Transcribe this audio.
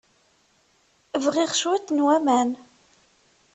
Bɣiɣ cwiṭ n waman.